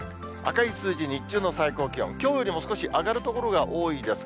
赤い数字、日中の最高気温、きょうよりも少し上がる所が多いです。